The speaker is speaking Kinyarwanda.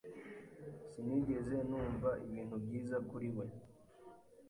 Sinigeze numva ibintu byiza kuri we.